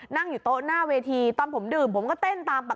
นั่งอยู่โต๊ะหน้าเวทีตอนผมดื่มผมก็เต้นตามปกติ